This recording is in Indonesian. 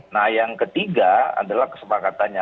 nah yang ketiga adalah kesepakatannya